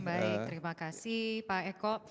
baik terima kasih pak eko